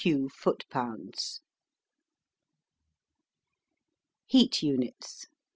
foot pounds. HEAT UNITS.